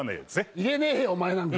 入れねえよ、お前なんか。